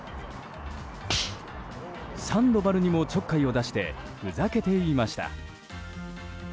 サンドバルにもちょっかいを出してふざけていました。